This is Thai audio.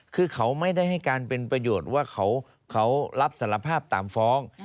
คือเขาไม่ได้ให้การเป็นประโยชน์ว่าเขารับสารภาพตามฟ้อง